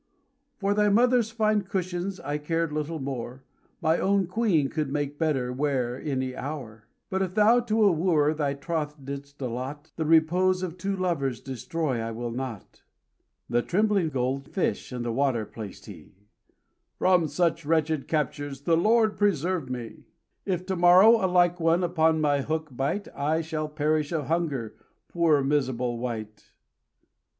"For thy mother's fine cushions I care little more, My own Queen could make better ware any hour. "But if thou to a wooer thy troth didst allot, The repose of two lovers destroy I will not." The trembling gold fish in the water placed he: "From such wretched captures the Lord preserve me! "If to morrow a like one upon my hook bite, I shall perish of hunger, poor miserable wight."